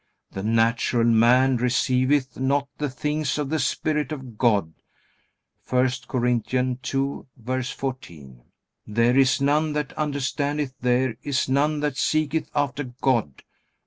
"The natural man receiveth not the things of the Spirit of God." (I Cor. 2:14.) "There is none that understandeth, there is none that seeketh after God."